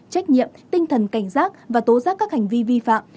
trách nhiệm tinh thần cảnh giác và tố giác các hành vi vi phạm